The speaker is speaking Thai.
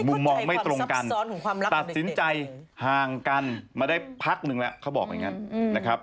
มุมมองไม่ตรงกันตัดสินใจห่างกันมาได้พักหนึ่งแล้วเขาบอกอย่างนั้นนะครับ